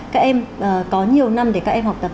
các em có nhiều năm để các em học tập